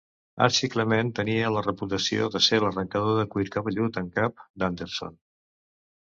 Archie Clement tenia la reputació de ser "l'arrencador de cuir cabellut en cap" d'Anderson.